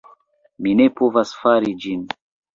Mi ne povas fari ĝin.